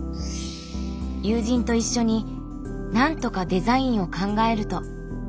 友人と一緒に何とかデザインを考えると。